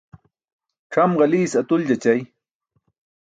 Cʰam ġaliis atuljaćay.